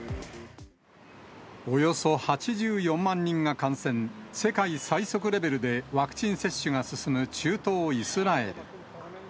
およそ８４万人が感染、世界最速レベルでワクチン接種が進む中東イスラエル。